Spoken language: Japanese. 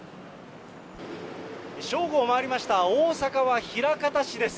正午を回りました、大阪は枚方市です。